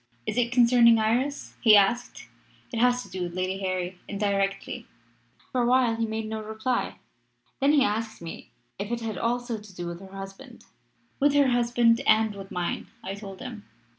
"'Is it concerning Iris?' he asked. "'It has to do with Lady Harry indirectly.' "For a while he made no reply. Then he asked me if it had also to do with her husband. "'With her husband and with mine,' I told him.